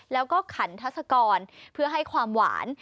แล้วก็ขันทัศกรเพื่อให้ความหวาน